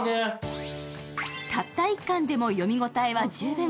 たった１巻でも読み応えは十分。